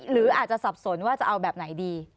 หรืออาจจะสับสนว่าจะเอาแบบไหนดี